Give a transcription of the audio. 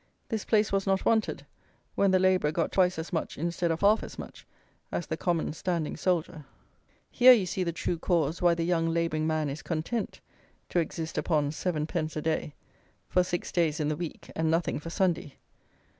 This place was not wanted, when the labourer got twice as much instead of half as much as the common standing soldier. Here you see the true cause why the young labouring man is "content" to exist upon 7_d._ a day, for six days in the week, and nothing for Sunday.